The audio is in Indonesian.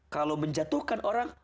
kalau menjatuhkan orang